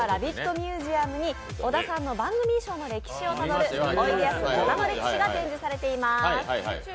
ミュージアムに小田さんの番組衣装の歴史をたどる「おいでやす小田の歴史」が展示されています。